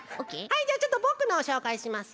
じゃあちょっとぼくのをしょうかいしますよ。